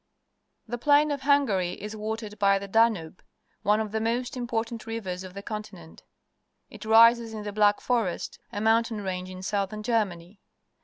The Plain of Hungary is watered by the Danube, one of the most important rivers of the continent. It rises in the Black Forest, a mountain range in southern Germany.